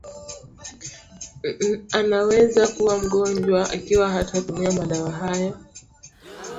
na anaweza kuwa mgonjwa ikiwa hatatumia madawa hayo